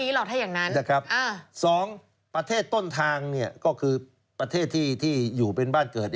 ก็ไม่ต้องลีหรอกถ้าอย่างนั้น๒ประเทศต้นทางก็คือประเทศที่อยู่เป็นบ้านเกิด